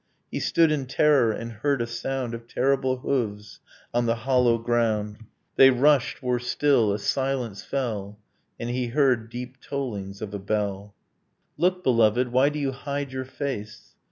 He stood in terror, and heard a sound Of terrible hooves on the hollow ground; They rushed, were still; a silence fell; And he heard deep tollings of a bell. Look beloved! Why do you hide your face?